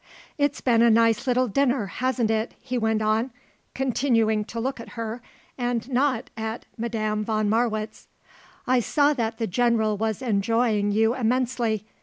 "It's been a nice little dinner, hasn't it," he went on, continuing to look at her and not at Madame von Marwitz. "I saw that the General was enjoying you immensely.